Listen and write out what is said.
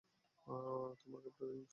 তোমার ক্যাপটা সুন্দর।